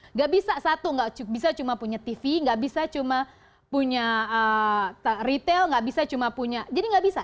enggak bisa satu enggak bisa cuma punya tv enggak bisa cuma punya retail enggak bisa cuma punya